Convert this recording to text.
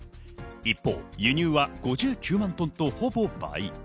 一方、輸入が５９万トンと、ほぼ倍。